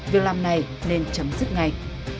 việc làm này nên chấm dứt ngay